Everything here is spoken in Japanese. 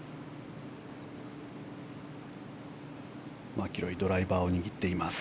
マキロイドライバーを握っています。